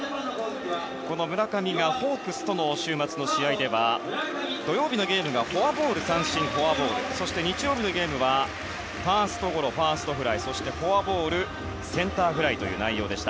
この村上がホークスとの週末の試合では土曜日のゲームがフォアボール三振、フォアボールそして、日曜日のゲームはファーストゴロファーストフライ、フォアボールセンターフライという内容。